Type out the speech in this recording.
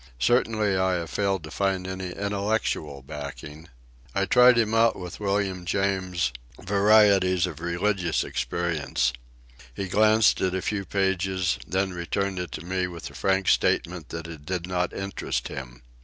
Certainly I have failed to find any intellectual backing. I tried him out with William James' Varieties of Religious Experience. He glanced at a few pages, then returned it to me with the frank statement that it did not interest him.